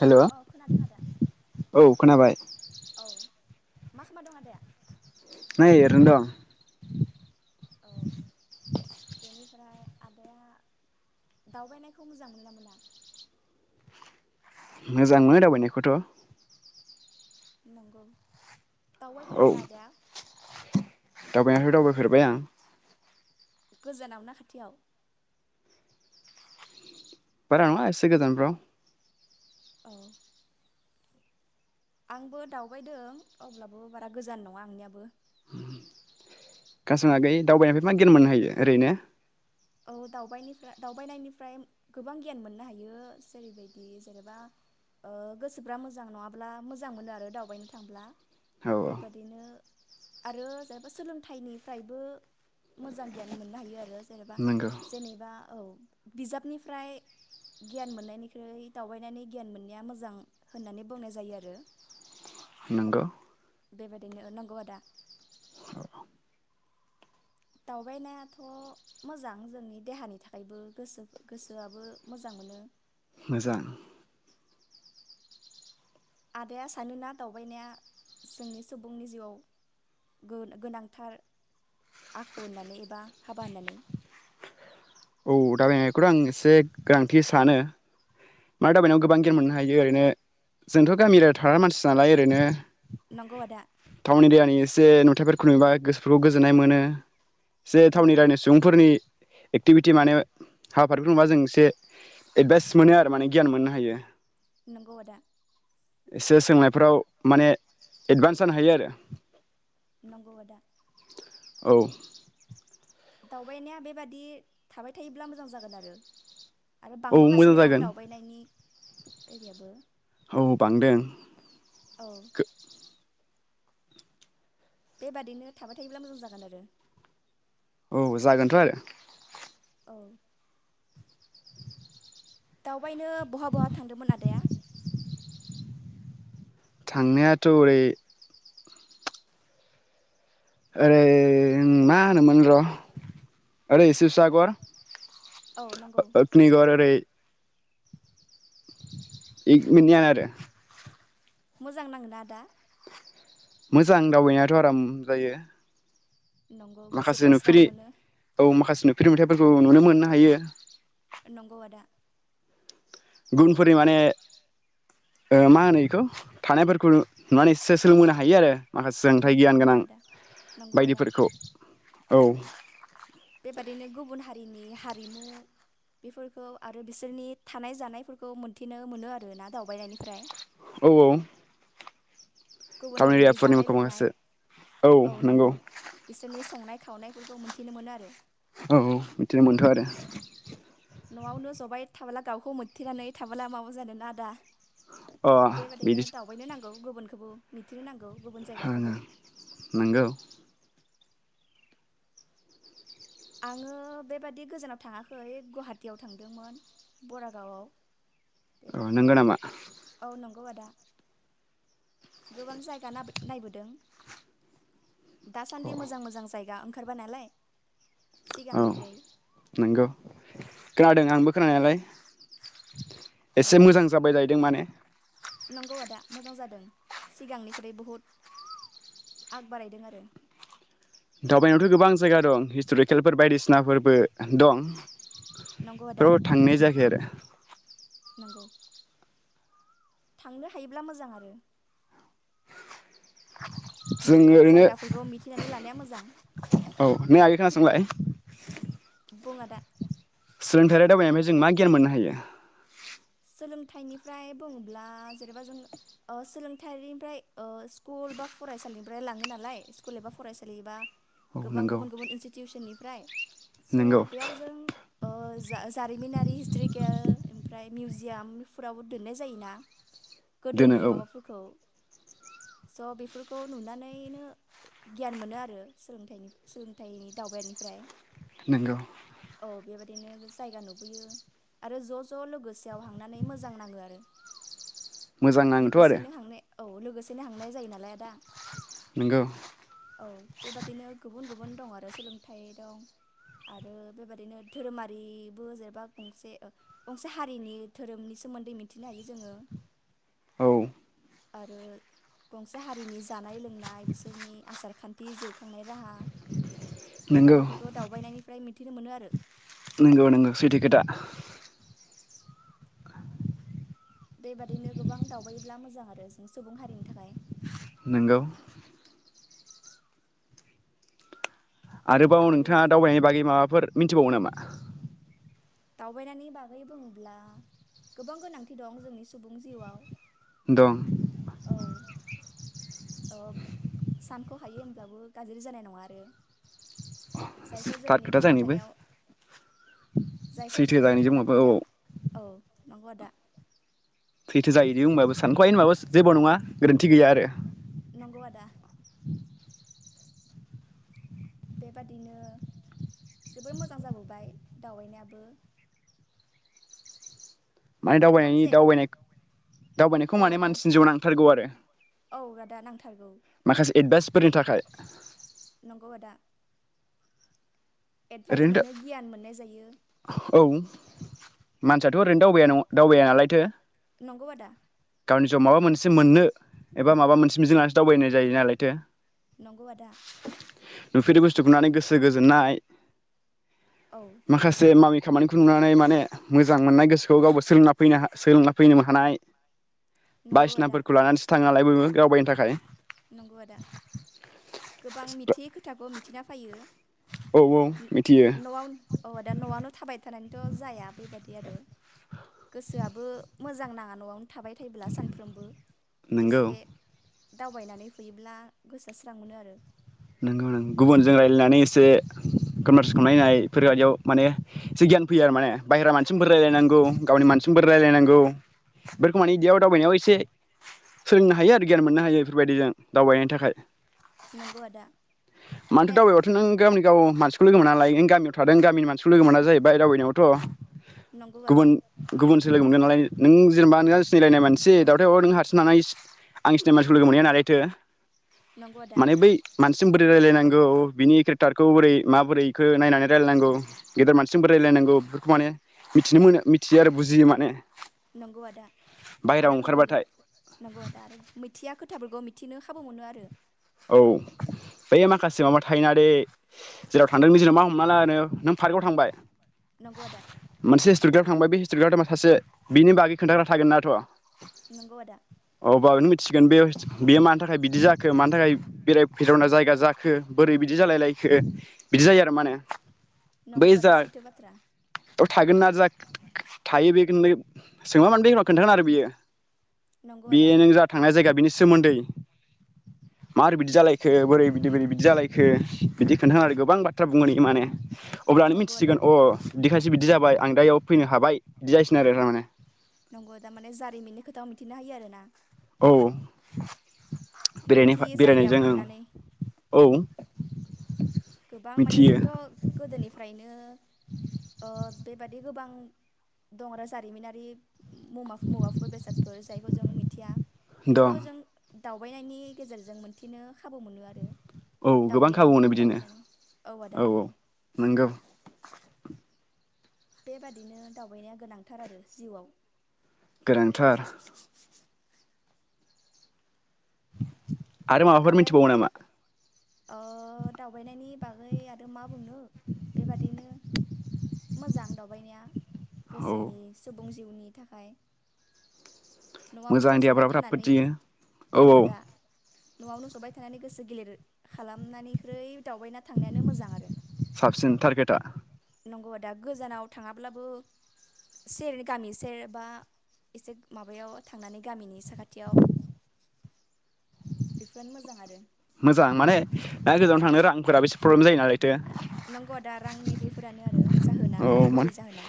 हेल' अ खोनादों आदा औ मा खामना दं आदाया? नै ओरैनो दं। औ बेनिफ्राय आदाया दावबायनायखौ मोजां मोनो ना मोना? मोजां मोनो दावबायनायखौथ' नंगौ। दावबाय औ फेरबायना आदाया? दावबायनायाथ' दावबायफेरबाय आं। गोजानाव ना खाथियाव? बारा नङा एसे गोजान फ्राव। औ। आंबो दावबायदों अब्लाबो बारा गोजान नङा आंनियाबो। [unintelligible] आगै दावबायनायनिफ्राय मा गियान मोननो हायो ओरैनो? औ दावबायनिफ्राय दावबायनायनिफ्राय गोबां गियान मोननो हायो जेरैबायदि जेनेबा ओ गोसोफ्रा मोजां नङाब्ला मोजां मोनो आरो दावबायनो थांब्ला। औ औ बेबादिनो आरो जेनेबा सोलोंथाइनिफ्रायबो मोजां गियान मोननो हायो आरो जेनेबा। नंगौ जेनेबा औ बिजाबनिफ्राय गियान मोननायनिख्रुइ दावबायनानै गियान मोननाया मोजां होननानै बुंनाय जायो आरो नंगौ बेबाददिनो नंगौ आदा। दावबायनायाथ' मोजां जोंनि देहानि थाखायबो गोसो गोसोआबो मोजां मोनो। मोजां। आदाया सानोना दावबायनाया जोंनि सुबुंनि जिउआव गोन गोनांथार आखु होननानै एबा हाबा होननानै? दाबबायनायखौथ' आं एसे गोनांथि सानो मानो दाबबायनायाव गोबां गियान मोननो हायो ओरैनो जोंथ' गामि थाग्रा मानसि नालाय ओरैनो नंगौ आदा। जे नुथाइफोरखौ नुबा गोसोफोरखौ गोजोननाय मोनो। जे थावनि नंगौ रायनाय आदा सुबुंफोरनि एक्टिभिटि माने हाबाफोरखौ नुबा जों एसे एडभाइस मोनो आरो माने गियान मोननो हायो। नंगौ आदा। एसे सोंनायफोराव माने एडभान्स जानो हायो आरो। नंगौ आदा। औ। दावबायनाया बेबादि थाबाय थायोब्ला मोजां जागोन आरो। आरो औ मोजां बांबोगासिनो दं जागोन दावबायनायनि ओरियाबो। औ बांदों औ गो बेबादिनो थाबाय थायोब्ला मोजां जागोन आरो। औ जागोनथ' आरो। औ। [unintelligible] बहा बहा थांदोंमोन आदाया? थांनायाथ' ओरै ओरै ओं मा होनोमोन र' ओरै शिबसागर औ नंगौ अग्निगर ओरै [unintelligible] आरो मोजां नाङोना आदा मोजां दावबायनायाथ' आराम जायो नंगौ माखासे गोसोफ्रा स्रां नुफेहै मोनो औ माखासे नुफेहै मेथाइ फोरखौ नुनो मोननो हायो नंगौ आदा गुनफोरनि माने ओ मा होनो इखौ थानायफोरखौ माने एसे सोलोंबोनो हायो आरो माखासे उम सोंथायाइ गियान नंगौ गोनां आदा नंगौ आदा बायदिफोरखौ औ बेबादिनो गुबुन हारिनि हारिमु बेफोरखौ आरो बिसोरनि थानाय जानायफोरखौ मोनथिनो मोनो आरो ना दावबायनायनिफ्राय औ गुबुन टाउन हारिनि एरियाफोरनि जानाय लोंनाय माखासे औ नंगौ बिसोरनि संनाय खावनायफोरखौ मोन्थिनो मोनो आरो औ औ बिदिनो मोनथो आरो न'आवनो जबाय थाबोला गावखौ मोनथेनानै थाबोला माबा जादों ना आदा अ बिदि बेबायदिनो दावबायनो नांगौ गुबुन औ मिथिनो नांगौ गुबुन हाना जायगाखौबो नंगौ आङो बेबादि गोजानाव थाङाखै गुवाहाटियाव थांदोंमोन बरागावआव औ बेबायादिनो नंगौ नामा औ नं अआदा गोबां जायगा नाब नायबोदों अ दासान्दि मोजां -मोजां जायगा आंखारबाय नालाय औ सिगांनिख्रुइ नोंगौ खोनादों आंबो खोनानायालाय औ एसे मोजां जाबाय जाहैदों माने नंगौ आदा मोजां जादों सिगांनिख्रुइ बुहुत आग बारायदों आरो दावबायनायावथ' गोबां जायगा दं हिस्ट'रिकेलफोर बायदिसिनाफोरबो दं नंगौ आदा फोराव थांनाय जायाखै आरो नंगौ थांनो हायोब्ला मोजां आरो जों मिथि ओरैनो जायगाफोरखौ मिथिनानै लानाया मोजां औ नै आगै खोनासंलाय बुं आदा सोलोंथाइयारि दावबायनायनिफ्राय जों मा गियान मोननो हायो सोलोंथाइनिफ्राय बुङोब्ला जेनेबा जों ओ सोलोंथायारिनिफ्राय ओ स्कुल बा फरायसालिनिफ्राय लाङो नालाय स्कुल एबा फरायसालिबा औ गोबां नंगौ गुबुन गुबुन इनस्टिटिउसननि फ्राय। स' नंगौ बेयाव जों ओ जा-जारिमिनारि हिस्ट्रिकेल ओमफ्राय मिउजियामफोरावबो दोननाय जायोना दोनो गोदोनि औ माबाफोरखौ। स' बेफोरखौ नुनानैनो गियान मोनो आरो सोलोंथाइनि सोलोंथाइनि दावबायानिफ्राय। नोंगौ। औ बेबायदिनो जायगा नुबोयो आरो ज' ज' लो गोसो आव हांनानै मोजां नाङो आरो। मोजां नाङोथ' आरो लोगोसेनो हांनाय औ लोगोसेनो हांनाय जायो नालाय आदा नंगौ औ बेबादिनो गुबुन गुबुन दं आरो सोलोंथाइ दं आरो बेबादिनो धोरोमारिबो जेन'बा गंसे ओ गंसे हा नि धोरोमनि सोमोन्दै मिथिनो हायो जोङो। औ। आरो गंसे हारिनि जानाय लोंनाय बिसोरनि आसार खान्थि जिउखांनाय राहा नोंगौ बेबादिफोरखौ दावबायनायनिफ्राय मिथिनो मोनो आरो नोंगौ नोंगौ सैथो खोथा। बेबादिनो गोबां दावबायोब्ला मोजां आरो जों सुबुं हारिनि थाखाय। नोंगौ। आरोबाव आरो नोंथाङा दावबायनायनि बागै माबाफोर मिन्थिबावो नामा? दावबायनायनि बागै बुङोब्ला गोबां गोनांथि दं जोंनि सुबुं जिउआव। दं। अ सानख'हायै ओमब्लाबो गाज्रि जानाय नङा आरो। जायखौ जोंनि थारखोथा थांना जानिबो। थानायाव जायखौ सैथो जोंनि थांना जानायनिजोंबो औ थानायाव औ नांगौ आदा। थैथो जाहैदों होमबाबो सानख'आ होनबाबो जेबो नङा गोरोन्थि गैया आरो। नंगौ आदा। बेबादिनो जोबोर मोजां जाबोबाय दावबायनायाबो। माने गोबां दावबायनायनि जे दावबायनाय दावबायनायखौ औ माने आदा मानसिनि जिउ नांथारगौ आरो। औ आदा नां थारगौ। माखासे एडभाइसफोरनि थाखाय। नंगौ आदा। एडभाइस ओरैनो मोनो गियान मोननाय जायो औ मानसियाथ' ओरैनो दावबाया न-दावबाया नालायथो नंगौ आदा गावनि जिउआव माबा मोनसे मोननो एबा माबा मोनसे मिजिं लानासो दावबायनाय जायो नालायथो नगौ आदा नुफेरै बुस्थुखौनानै गोसो गोजोननाय औ मावामि खा मानिखौ नुनानै माने मोजां मोननाय गोसोखौ गावबो सोंलोंना फैनो सोलोंना फैनो हानाय नंगौ बायसिना आदा फोरखौ लानानैसो थाङोनालाय बयबो दावबायनो थाखाय नंगौ आदा गोबां मिथियै खोथाखौ मि थिना फायो औ औ मिथियो न'आव अ दा न'आवनो थाबाय थानाय थ' जाया बेबादि आरो गोसोआबो मोजां नाङा न'आव थाबाय थायोब्ला सानफ्रबो नोंगौ एसे दावबायनानै फैयोब्ला गोसोआ स्रां मोनो आरो नोंगौ नों गुबुनजों रायजलायनानै एसे कनभार्स खालामलायनाय फोरबायदियाव माने एसे गियान फैयो आरो माने बाहेरा मानसिजोंबो रायजलायनांगौ गावनि मानसिजोंबो रायलायनांगौ बेफोरखौ मानिे बिदियाव दावबायनायाव एसे सोलोंनो हायो आरो गियान मोननो हायो बेफोरबायदि जों दावबायनायनि थाखाय नंगौ आदा मानोथो माने दावबायबाथ' नों गावनि गाव मानसि खौ लोगो मोना लाय गामियाव थादों गामिनि मानसिखौ लोगो मोना जाहैबाय दावबायनायावथ' नंगौ आदा गुबुन-गुबुन लोगो मोनगोन नालाय नों जेनेबा नों सिनायलायनाय मानसि दावथायाव नों हारसिं आं सिनिनाय मानसि लोगो मोनहैया नालायथो नंगौ आदा माने बै मानसिजों बोरै रायजलायनांगौ बिनि केरेक्टारखौ बोरै माबोरैखौ नायनानै रायजलायनांगौ गेदेर मानसिजों बोरै रायजलायनांगौ बेफोरखौ माने मिथिनो मोनो मिथियो आरो बुजियो माने नंगौ आदा बाहेरायाव आरो गुबुन ओंखारबाथाय नंगौ आदा आरो मिथिया खोथाफोरखौ मिथि मिथिनो खाबु मोनो आरो। औ बै माखासे माबा थायोना दे जेराव थांदों मा हमना ला नों पार्कआव थांबाय। नंगौ आदा। [unintelligible] थाबाय बै हिस्रि आदामा सासे बिनि बागै खोन्थाग्रा थागोनाथ नंगौ आदा। बावनो मिथिसिगोन बे बेयो मानि थाखाय बिदि जाखो मानि थाखाय। बेरायथावना जायगा जाखो बोरै बिदि जालाय लायखो बिदि जायो आरो माने। बै नंगौ आदा जा सैथो बाथ्रा। थागोन ना जा थायो बेखौनो सोंबा मानो खोन्थागोन आरो बियो। नंगौ बे आदा नों जा थांनाय जायगा बिनि सोमोन्दै मारै बिदि जालायखो न- बोरै बिदि बोरै बिदि जालायखो बिदि खोन्था आरो गोबां बाथ्रा बुंहोनो हायो माने अब्लानो नंगौ आदा मिथिसिगोन अ इदिखासो एसे बिदि जाबाय आं दा बियाव फैनो हाबाय बिदि जासिगोन आरो थारमाने नंगौ दा माने जारिमिननि खोथा आ मिथिनो हायो आरोना औ बेराय मैथि जायगायाव बेरायनायजों थांनानै औ गोबां माने मिथियो जोंथ' गोदोनिफ्रायनो ओ बेबायदि बे गोबां दं आरो जारिमिनारि मुवाफोर बेसादफोर जायखौ जों मिथिया बेफोरखौ दं जों दावबायनायनि गेजेरजों मोनथिनो खाबु मोनो आरो औ गोबां खाबु दावबायनायनो मोनो बि बिदिनो दावबायनानै आदा औ - औ नंगौ नंगौ बेबादिनो दावबायनाया गोनांथार आरो जिउआव। गोनांथार आरो माबाफोर आदा मिथिबावो नामा दावबायनायनि बागै आरो मा बु‌ बुंनो बेबादिनो। मोजां दावबायनाया। औ गोसोनि सुबुं जिउनि नि थाखाय मोजां न'आवनो जबाय आइदियाफ्राबो थानानै [unintelligible] औ - औ न'आवनो जबाय थानानै गोसो गोलिर खालामनायनिख्रुय दावबायना थांनायानो मोजां आरो साबसिन थार खोथा दा गोजानाव थाङाब्लाबो सेर गामि सेर बा एसे माबायाव थांनानै गामिनि साखाथियाव बेफोरानो मोजां आरो मोजां माने दा गोजानाव थांनो रांफोराबो एसे प्रब्लेम जायो नालाय बेथो नंगौ आदा रांनि बेफोरानो आरो जाहोना औ मोन गुबै जाहोना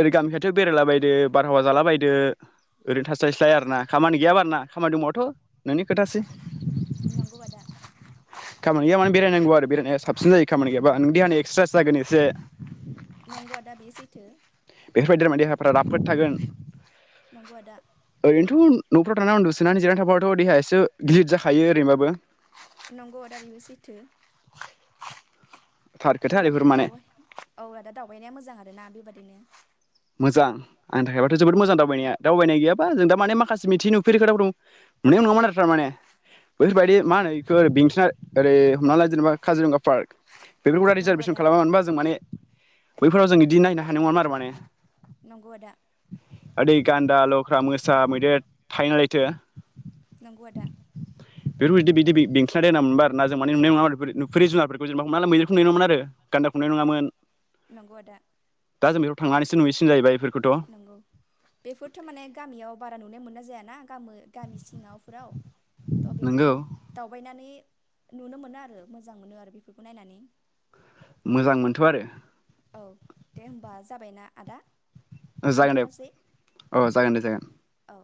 ओरै गामि खाथियाव' बेरायलाबायदो बारहावा जाला बायदो ओरैनो थास्लायस्लाय आरोना खामानि गैयाबा आरोना खामानि दंबाथ' नोंनि खोथासै। नंगौ आदा खामानि गैया माने बेरायनांगौ आरो बेरायनाया साबसिन जायो खामानि गैयाबा नोंनि देहानि एक्सट्रासाइस जागोन एसे नंगौ आदा बेयो सैथो [unintelligible] देहा फोरा राफोद थागोन नंगौ आदा ओरैनोथ' न'फ्राव थानानै उन्दुसोनानै जिरनानै थाबाथ' देहायासो एसे गिलिर जाखायो ओरैबाबो। नंगौ आदा बेबो सैथो। थार खोथा बेफोर बेबादिनो माने दावउ औ आदा दावबायनाया मोजां आरो! आरोना बेबादिनो। मोजां आंनि थाखायबाथ' जोबोद मोजां दावबायनाया दावबायनाय गैयाबा जों दा माने माखासे मिथि नुफेरि खोथा दं नुनायाव नङामोन आरो थारमाने बेफोरबायदि मा होनो बेखौै बेंथिना ओरै हमना ला जेनेबा काजिरंगा पार्क। बेफोरखौ नंगौ रिजारभेसन आदा खालामामोनबा जों माने- बैफोराव जों इदि नायनो हानाय नङमोन आरो माने! नंगौ आदा दै गान्दा लख्रा मोसा मैदेर थायो नालायथो! नंगौ आदा! [unintelligible] नंगौ आदा! दा जों बेयाव थांनानै- सो नुहैसिनगोन जाहैबाय बेफोर- नंगौ बेफोरथ' माने गामियाव बारा नुनो मोनाय जायानो! गामो गामि सिङावफोराव थ' नोंगौ बेफोरखौ दावबायनानै- नुनो मोनो आरो मोजां मोनो आरो बेफोरखौ नायनानै। मोजां मोनथ' आरो! औ दे हम्बा जाबायना आदा? जागोन दे दोनथ'नोसै औ जागोन दे जागोन। औ